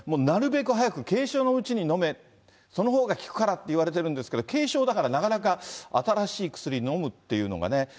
なるべく早く軽症のうちに飲め、そのほうが効くからっていわれてるんですけど、軽症だからなかなか新しい薬、飲むっていうのがね。